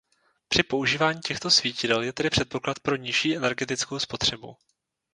Při používání těchto svítidel je tedy předpoklad pro nižší energetickou spotřebu.